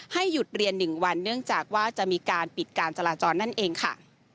หยุดเรียน๑วันเนื่องจากว่าจะมีการปิดการจราจรนั่นเองค่ะ